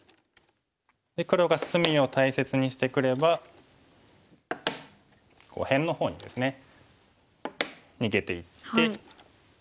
で黒が隅を大切にしてくれば辺の方にですね逃げていって。